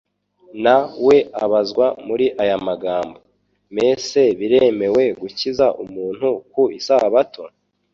Na we abazwa muri aya magambo: "Mese biremewe gukiza umuntu ku isabato?"